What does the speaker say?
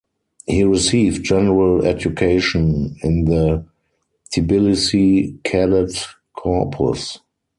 He received general education in the Tbilisi Cadet Corpus.